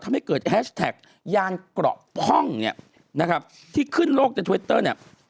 ทำให้เกิดแฮชแท็กยานกรอบพ่องที่ขึ้นโลกในทวิตเตอร์